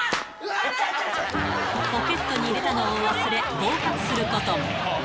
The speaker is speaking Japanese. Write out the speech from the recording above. ポケットに入れたのを忘れ、暴発することも。